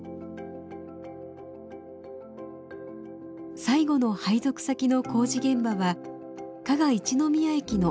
最後の配属先の工事現場は加賀一の宮駅の目の前でした。